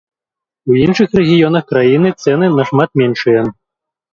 У іншых рэгіёнах краіны цэны нашмат меншыя.